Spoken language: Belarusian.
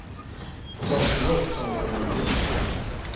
Пацан сказаў, пацан зрабіў, карацей!